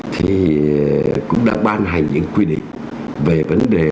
thì cũng đã ban hành những quy định về vấn đề